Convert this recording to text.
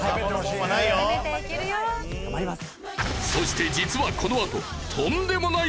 頑張ります！